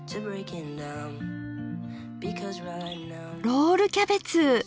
「ロールキャベツ！